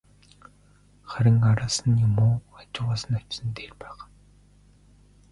Харин араас нь юм уу, хажуугаас нь очсон нь дээр байх.